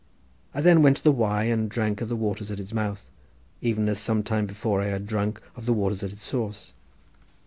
I then went to the Wye and drank of the waters at its mouth, even as sometime before I had drunk of the waters at its source.